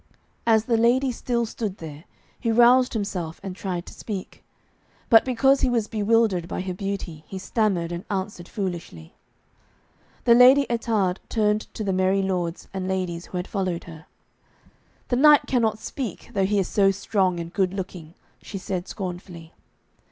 As the lady still stood there, he roused himself and tried to speak. But because he was bewildered by her beauty, he stammered and answered foolishly. The Lady Ettarde turned to the merry lords and ladies who had followed her. 'The knight cannot speak, though he is so strong and good looking,' she said scornfully.